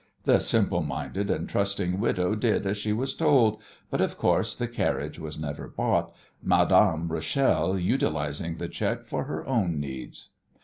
The simple minded and trusting widow did as she was told, but, of course, the carriage was never bought, Madame Rachel utilizing the cheque for her own needs.